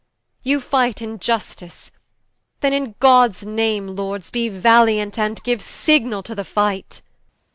You fight in Iustice: then in Gods Name, Lords, Be valiant, and giue signall to the fight.